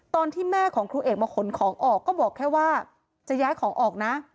ตอนที่แม่ของครูเอกมาขนของออกก็บอกแค่ว่าจะย้ายของออกนะ